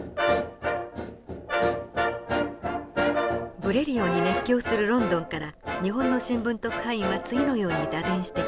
ブレリオに熱狂するロンドンから日本の新聞特派員は次のように打電してきています。